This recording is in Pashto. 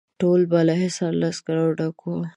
ټول بالاحصار له عسکرو ډک وو.